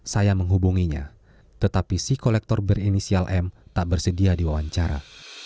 saya menghubunginya tetapi si kolektor berinisial m tak bersedia diwawancara